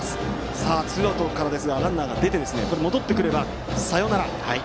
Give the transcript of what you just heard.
さあ、ツーアウトからですがランナーが出てこれが戻ってくればサヨナラ。